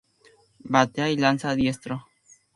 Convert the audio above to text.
Batea y lanza diestro.